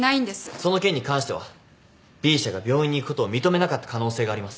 その件に関してはＢ社が病院に行くことを認めなかった可能性があります。